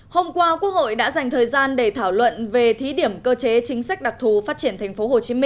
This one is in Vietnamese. hôm qua quốc hội đã dành thời gian để thảo luận về thí điểm cơ chế chính sách đặc thù phát triển tp hcm